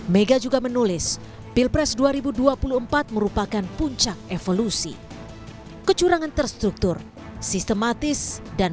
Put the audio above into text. mega juga menulis pilpres dua ribu dua puluh empat merupakan puncak evolusi kecurangan terstruktur sistematis dan